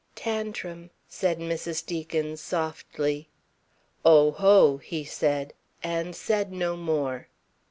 "Tantrim," said Mrs. Deacon, softly. "Oh, ho," said he, and said no more.